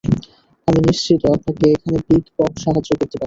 আমি নিশ্চিত আপনাকে এখানে বিগ বব সাহায্য করতে পারে।